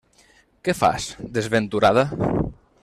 Què fas, desventurada?